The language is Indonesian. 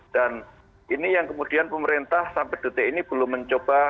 dan ini yang kemudian pemerintah sampai detik ini belum mencoba